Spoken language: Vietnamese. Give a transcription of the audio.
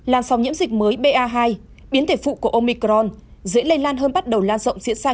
làn sóng nhiễm dịch mới ba hai biến thể phụ của omicron dễ lây lan hơn bắt đầu lan rộng diễn ra